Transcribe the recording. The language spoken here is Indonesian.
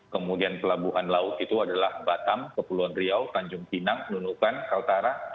kemudian pelabuhan laut itu adalah batam kepulauan riau tanjung pinang nunukan kaltara